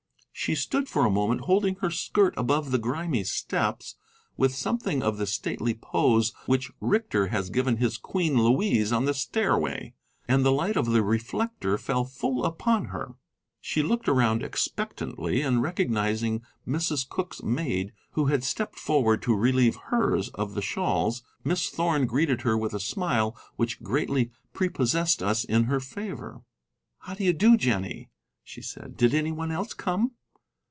She stood for a moment holding her skirt above the grimy steps, with something of the stately pose which Richter has given his Queen Louise on the stairway, and the light of the reflector fell full upon her. She looked around expectantly, and recognizing Mrs. Cooke's maid, who had stepped forward to relieve hers of the shawls, Miss Thorn greeted her with a smile which greatly prepossessed us in her favor. "How do you do, Jennie?" she said. "Did any one else come?"